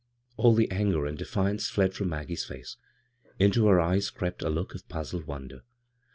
All the anger and dehance fled from Mag gie's face. Into her eyes crept a look of puzzled wonder.